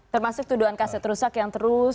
termasuk tuduhan kaset rusak yang terus